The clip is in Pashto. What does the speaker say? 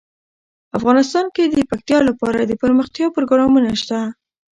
افغانستان کې د پکتیا لپاره دپرمختیا پروګرامونه شته.